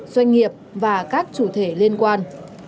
doanh nghiệp và các chủ thể liên quan